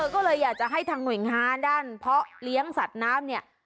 ก็เลยอยากจะให้ทางหน่วยงานด้านเพาะเลี้ยงสัตว์น้ำเนี่ย